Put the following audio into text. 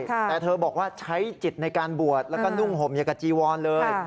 แต่เธอบอกว่าใช้จิตในการบวชแล้วก็นุ่งห่มอย่างกับจีวรเลย